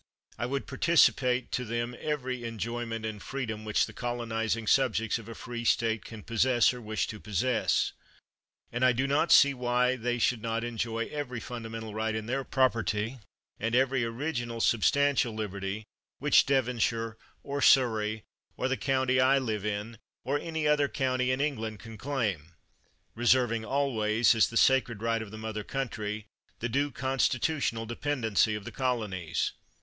I would participate to them every enjoyment and freedom which the colonizing sub jects of a free state can possess, or wish to pos sess ; and I do not see why they should not enjoy every fundamental right in their property, and every original substantial liberty, which Devon shire, or Surrey, or the county I live in, or any other county in England, can claim; reserving always, as the sacred right of the mother coun try, the due constitutional dependency of the colonies.